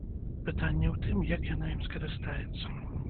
Пытанне ў тым, як яна ім скарыстаецца?